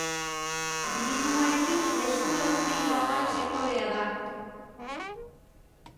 Turismoarekin estu loturik dagoen sektorea da.